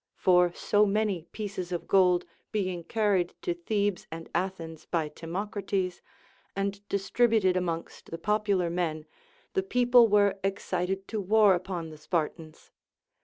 For so many pieces of gold being carried to Thebes and Athens by Timocrates, and distributed amongst the popular men, the people were excited to war upon the Spartans.